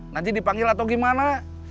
nanti dipanggil atau gimana